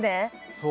そう。